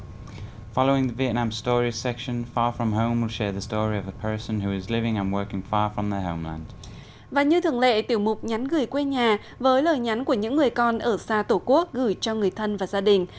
ngày sau tiểu mục chuyện việt nam sẽ là tiểu mục chuyện việt nam sẽ là tiểu mục chuyện việt nam sẽ là tiểu mục nhắn gửi quê nhà với lời nhắn của những người con ở xa tổ quốc gửi cho người thân và gia đình